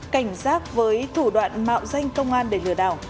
cảnh giác với thủ đoạn mạo danh công an để lừa đảo